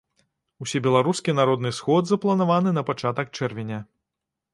Усебеларускі народны сход запланаваны на пачатак чэрвеня.